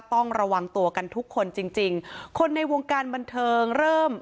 ต้องระวังตัวกันทุกคนจริงจริงคนในวงการบันเทิงเริ่ม